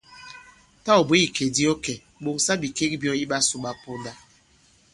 Tâ ɔ̀ bwě ìkè di ɔ kɛ̀, ɓòŋsa bìkek byɔ̄ŋ i ɓasū ɓa ponda.